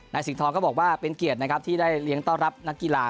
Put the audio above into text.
สิงทองก็บอกว่าเป็นเกียรตินะครับที่ได้เลี้ยงต้อนรับนักกีฬา